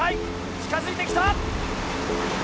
近づいてきた。